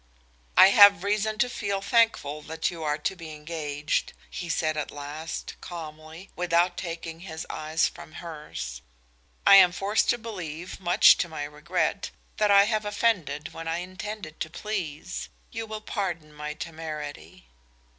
"I have reason to feel thankful that you are to be engaged," he said at last, calmly, without taking his eyes from hers. "I am forced to believe, much to my regret, that I have offended when I intended to please. You will pardon my temerity."